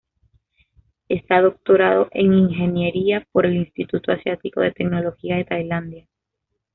Está doctorado en ingeniería por el Instituto Asiático de Tecnología de Tailandia.